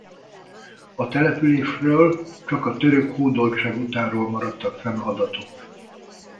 A településről csak a török hódoltság utánról maradtak fenn adatok.